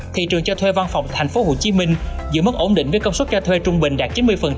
thị trường cho thuê văn phòng thành phố hồ chí minh giữ mức ổn định với công suất cho thuê trung bình đạt chín mươi